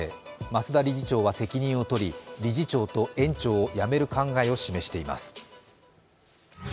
増田理事長は責任をとり理事長と園長を辞める考えを示しています。